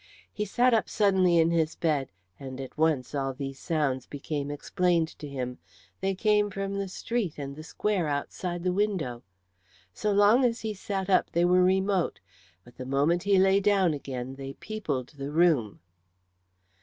He sat suddenly up in his bed, and at once all these sounds became explained to him. They came from the street and the square outside the window. So long as he sat up they were remote, but the moment he lay down again they peopled the room.